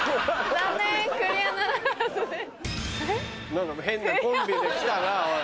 何か変なコンビで来たなおい。